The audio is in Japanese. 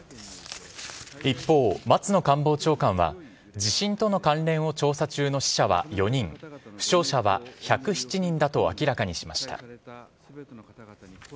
一方、松野官房長官は地震との関連を調査中の死者は４人負傷者は１０７人だと明らかにしました。